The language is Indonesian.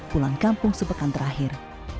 pulang kampung sepekan terakhir